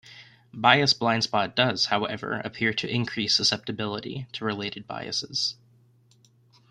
Bias blind spot does, however, appear to increase susceptibility to related biases.